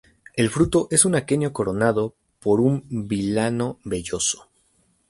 El fruto es un aquenio coronado por un vilano velloso.